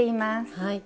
はい。